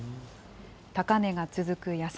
高値が続く野菜。